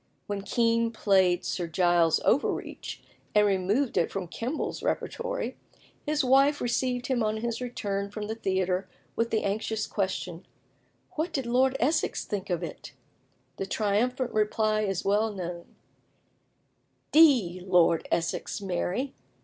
When Kean played Sir Giles Overreach, and removed it from Kemble's repertory, his wife received him on his return from the theatre with the anxious question, "What did Lord Essex think of it?" The triumphant reply is well known: "D Lord Essex, Mary!